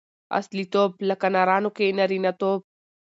اصیلتوب؛ لکه نرانو کښي نارينه توب.